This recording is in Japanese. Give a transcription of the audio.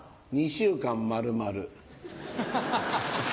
２週間丸々。